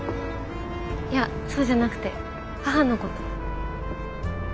いやそうじゃなくて母のこと。